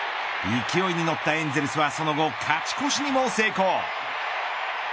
勢いに乗ったエンゼルスはその後、勝ち越しにも成功。